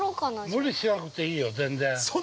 ◆無理しなくていいよ、全然。